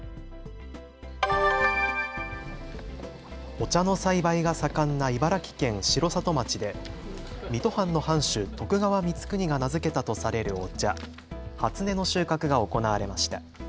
お茶の栽培が盛んな茨城県城里町で水戸藩の藩主、徳川光圀が名付けたとされるお茶、初音の収穫が行われました。